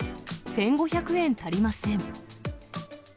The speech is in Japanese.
１５００円足りません。